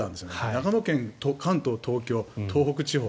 長野県と関東、東京、東北地方